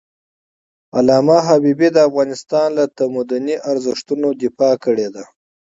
علامه حبيبي د افغانستان له تمدني ارزښتونو دفاع کړی ده.